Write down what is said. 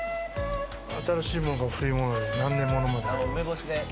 新しいものから古いものまで何年ものまであります